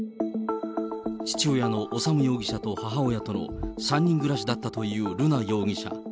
父親の修容疑者と母親との３人暮らしだったという瑠奈容疑者。